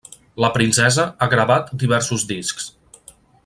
La princesa ha gravat diversos discs.